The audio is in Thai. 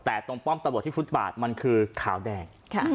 แต่ต้อมป้อมที่ฟุ้ทบาทมันคือขาวแดง